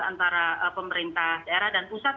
antara pemerintah daerah dan pusat